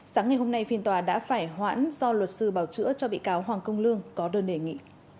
sáng ngày hôm nay phiên tòa đã phải hoãn do luật sư bảo chữa cho bị cáo hoàng công lương có đơn đề nghị